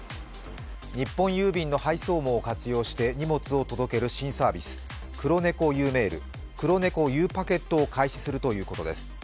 日本郵便の配送網を活用して荷物を届ける新サービス、クロネコゆうメール、クロネコゆうパケットを開始するということです。